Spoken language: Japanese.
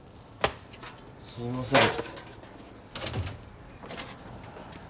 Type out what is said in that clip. すいません。